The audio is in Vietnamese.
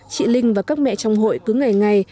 chị linh và các mẹ trong hội cứ ngày ngày